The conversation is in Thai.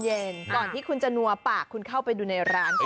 ก่อนที่คุณจะนัวปากคุณเข้าไปดูในร้าน